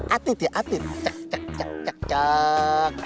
ati dia ati cak cak cak cak cak